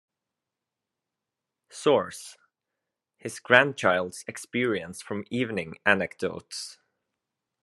Source: His grandchild's experience from evening anecdotes.